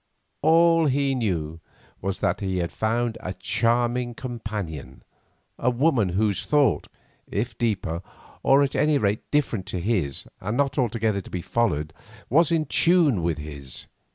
All he felt, all he knew, was that he had found a charming companion, a woman whose thought, if deeper, or at any rate different to his and not altogether to be followed, was in tune with his.